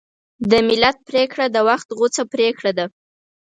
د ملت پرېکړه د وخت غوڅه پرېکړه ده.